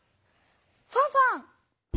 ファンファン！